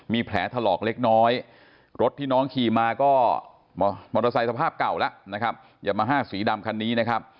มีแผลถรอกเล็กน้อยรถที่น้องขี่มาเมาเตอร์ไซต์ทะภาพเก่าฮ่าสีดำคันนี้